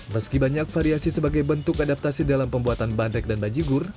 meski banyak variasi sebagai bentuk adaptasi dalam pembuatan bandrek dan bajigur